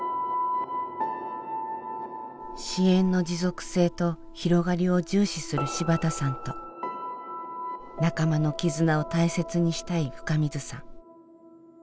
支援の持続性と広がりを重視する芝田さんと仲間の絆を大切にしたい深水さん。